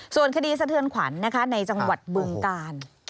ส่วนคดีสเทือนขวัญในจังหวัดเบื็งกาล